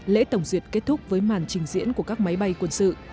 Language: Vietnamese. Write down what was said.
lễ tổng duyệt kết thúc với màn trình diễn của các máy bay quân sự